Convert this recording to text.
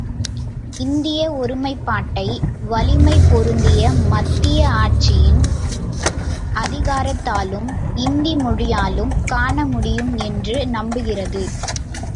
இந்திய ஒருமைப்பாட்டை வலிமை பொருந்திய மத்திய ஆட்சியின் அதிகாரத்தாலும் இந்தி மொழியாலும் காணமுடியும் என்று நம்புகிறது.